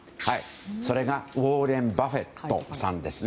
それが、ウォーレン・バフェットさんです。